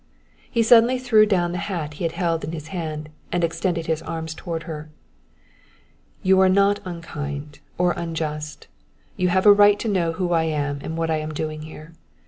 He suddenly threw down the hat he had held in his hand, and extended his arms toward her. "You are not unkind or unjust. You have a right to know who I am and what I am doing here.